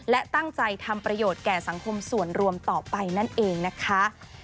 และตั้งใจทำประโยชน์แก่สังคมส่วนรวมต่อไปนั่นเองนะคะ